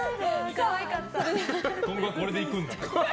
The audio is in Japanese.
今後はこれでいくんだな。